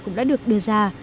cũng đã được đưa ra